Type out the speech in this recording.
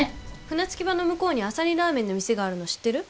船着き場の向こうにあさりラーメンの店があるの知ってる？